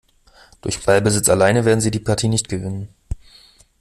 Durch Ballbesitz alleine werden sie die Partie nicht gewinnen.